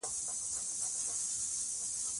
همدا نن یې پیل کړو.